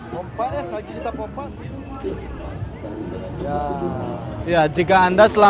beri perhatian juga kalau perlu